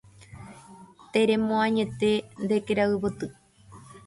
Teremoañete nde kerayvoty